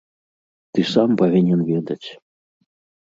Ты сам павінен ведаць.